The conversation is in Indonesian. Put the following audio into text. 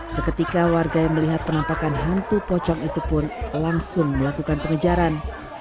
seketika warga yang melihat penampakan hantu pocong itu pun langsung melakukan pengejaran